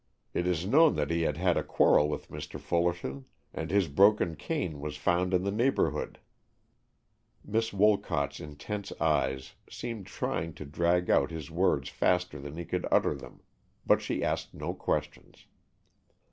It is known that he had had a quarrel with Mr. Fullerton, and his broken cane was found in the neighborhood." Miss Wolcott's intense eyes seemed trying to drag out his words faster than he could utter them, but she asked no questions.